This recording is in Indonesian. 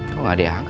gak ada yang